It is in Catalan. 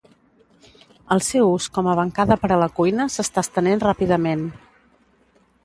El seu ús com a bancada per a la cuina s'està estenent ràpidament.